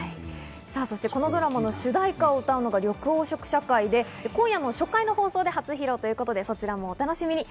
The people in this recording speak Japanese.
そしてこのドラマの主題歌を歌うのが緑黄色社会で今夜の初回の放送で初披露ということで、そちらもお楽しみに。